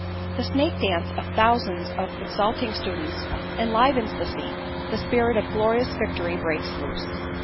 The snake dance of thousands of exulting students enlivens the scene the spirit of glorious victory breaks loose.